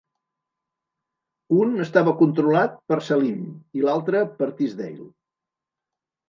Un estava controlat per Saleam i l'altre per Teasdale.